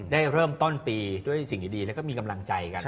ได้เริ่มต้นปีด้วยสิ่งดีแล้วก็มีกำลังใจกัน